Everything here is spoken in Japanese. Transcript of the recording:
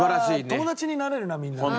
「友達になれるなみんな」って。